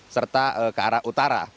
serta ke arah utara